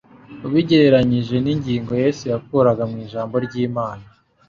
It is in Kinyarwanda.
ubigereranyije n’ingingo Yesu yakuraga mu Ijambo ry’Imana